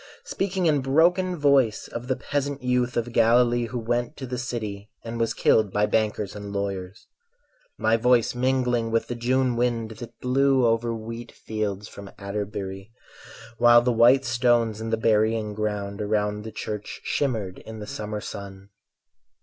Speaking in broken voice of the peasant youth Of Galilee who went to the city And was killed by bankers and lawyers; My voice mingling with the June wind That blew over wheat fields from Atterbury; While the white stones in the burying ground Around the Church shimmered in the summer sun.